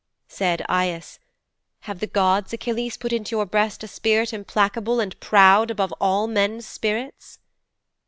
"' 'Said Aias, "Have the gods, Achilles, put into your breast a spirit implacable and proud above all men's spirits?"'